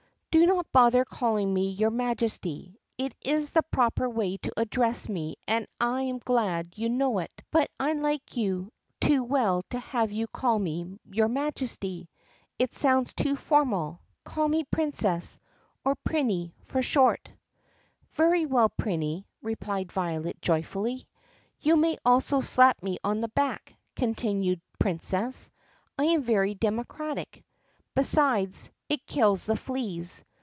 "Do not bother calling me 'your Majesty.' It is the proper way to address me and I am glad you know it. But I like you too well to have you call me 'your Majesty.' It sounds too formal. Call me Princess — or Prinny, for short." "Very well, Prinny," replied Violet joyfully. "You may also slap me on the back," continued the Prin cess. "I am very democratic. Besides it kills the fleas.